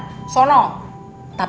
ibu sama bapak becengek